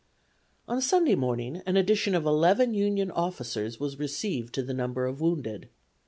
On Sunday morning an addition of eleven Union officers was received to the number of wounded.